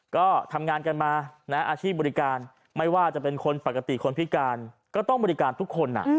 ก็ทำงานกันมานะอาชีพบริการไม่ว่าจะเป็นคนปกติคนพิการก็ต้องบริการทุกคน